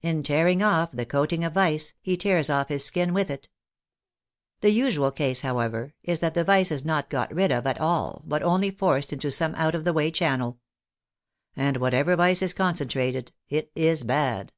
In tearing off the coating of vice, he tears off his skin with it. The usual case, however, is that the vice is not got rid of at all, but only forced into some out of the way channel. And whenever vice is concentrated, it is bad.